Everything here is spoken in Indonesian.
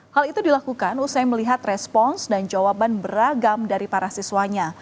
hal itu dilakukan usai melihat respons dan jawaban beragam dari para siswanya